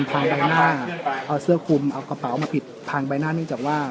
ใบหน้าเอาเสื้อคุมเอากระเป๋ามาผิดทางใบหน้าเนื่องจากว่า